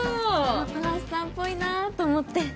本橋さんっぽいなと思って。